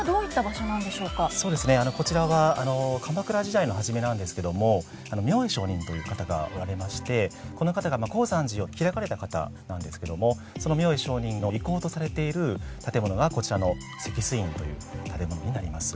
こちらは鎌倉時代の初めなんですけども明恵上人という方がおられましてこの方が高山寺を開かれた方なんですけどもその明恵上人の遺構とされている建物がこちらの石水院という建物になります。